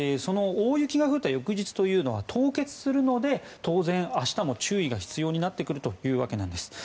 大雪が降った翌日というのは凍結するので当然、明日も注意が必要になってくるというわけなんです。